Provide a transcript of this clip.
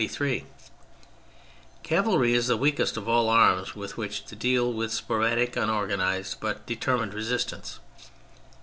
*' Cavalry is the weakest of all arms with which to deal with sporadic, unorganised, but determined resistance.